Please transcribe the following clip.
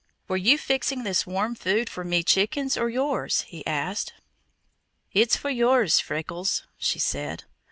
"Were you fixing this warm food for me chickens or yours?" he asked. "It's for yours, Freckles," she said.